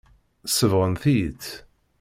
Sebɣent-iyi-tt.